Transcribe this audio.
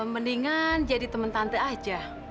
mendingan jadi teman tante aja